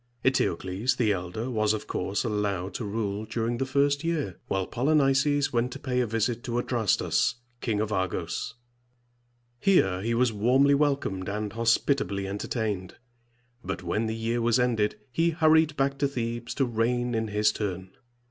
Eteocles, the elder, was of course allowed to rule during the first year; while Polynices went to pay a visit to A dras´tus, King of Argos. Here he was warmly welcomed and hospitably entertained; but when the year was ended, he hurried back to Thebes to reign in his turn.